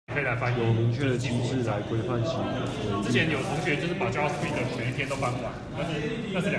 有明確的機制來規範其維運